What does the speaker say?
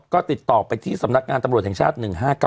ก็ติดต่อไปที่สำนักงานตำรวจแห่งชาติ๑๕๙